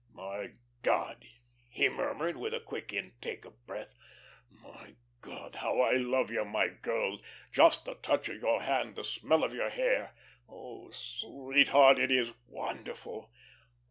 "My God," he murmured, with a quick intake of breath, "my God, how I love you, my girl! Just the touch of your hand, the smell of your hair. Oh, sweetheart. It is wonderful!